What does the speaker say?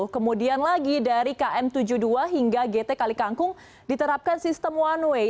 kemudian lagi dari km tujuh puluh dua hingga gt kali kangkung diterapkan sistem one way